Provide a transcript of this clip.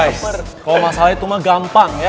guys kalo masalah itu mah gampang ya